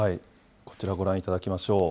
こちらご覧いただきましょう。